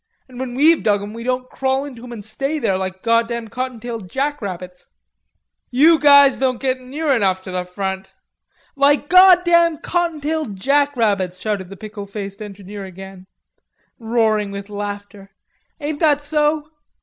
an' when we've dug 'em we don't crawl into 'em an' stay there like goddam cottontailed jackrabbits." "You guys don't git near enough to the front...." "Like goddam cottontailed jackrabbits," shouted the pickle faced engineer again, roaring with laughter. "Ain't that so?"